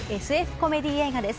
コメディー映画です。